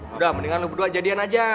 udah mendingan lo berdua jadian aja